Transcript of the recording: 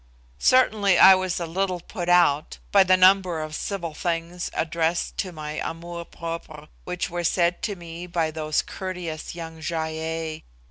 Certainly I was a little put out by the number of civil things addressed to my 'amour propre,' which were said to me by those courteous young Gy ei.